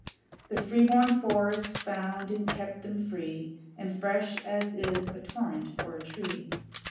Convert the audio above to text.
The freeborn forest found and kept them free, And fresh as is a torrent or a tree.